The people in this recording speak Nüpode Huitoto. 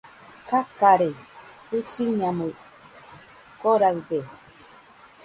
Kakarei, Jusiñamui koraɨde